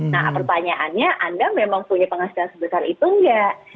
nah pertanyaannya anda memang punya penghasilan sebesar itu enggak